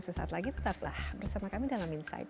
sesaat lagi tetaplah bersama kami dalam insight